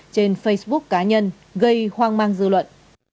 trên facebook cá nhân gây hoang mang dư luận